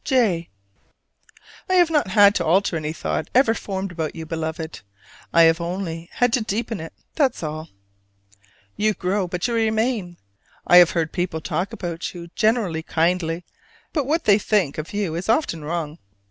J. I have not had to alter any thought ever formed about you, Beloved; I have only had to deepen it that is all. You grow, but you remain. I have heard people talk about you, generally kindly; but what they think of you is often wrong.